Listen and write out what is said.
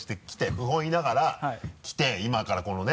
不本意ながら来て今からこのね？